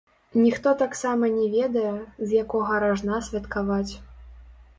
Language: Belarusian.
Ніхто таксама не ведае, з якога ражна святкаваць.